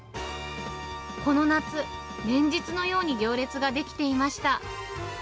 この夏、連日のように行列が出来ていました。